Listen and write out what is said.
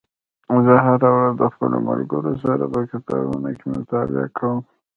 زه هره ورځ د خپلو ملګرو سره په کتابتون کې مطالعه کوم